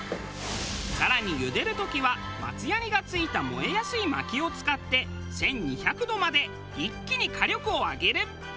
更に茹でる時は松脂がついた燃えやすい薪を使って１２００度まで一気に火力を上げる！